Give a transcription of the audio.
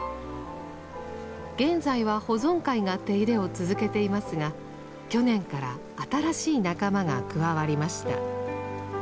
現在は保存会が手入れを続けていますが去年から新しい仲間が加わりました。